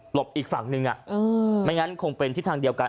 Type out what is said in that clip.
บอีกฝั่งหนึ่งไม่งั้นคงเป็นทิศทางเดียวกัน